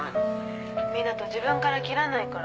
自分から切らないから。